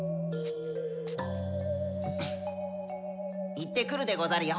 いってくるでござるよ。